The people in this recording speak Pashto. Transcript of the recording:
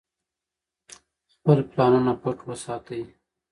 خپل پلانونه پټ وساتئ.